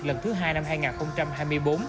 lần thứ hai năm hai nghìn hai mươi bốn